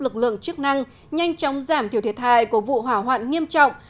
lực lượng chức năng nhanh chóng giảm thiểu thiệt hại của vụ hỏa hoạn nghiêm trọng